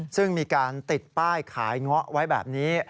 ซึ่งมีการติดป้ายขายเงาะไว้แบบนี้